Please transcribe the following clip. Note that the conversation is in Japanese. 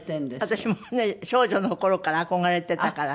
私もね少女の頃から憧れてたから。